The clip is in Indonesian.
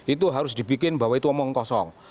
itu harus dibikin bahwa itu omong kosong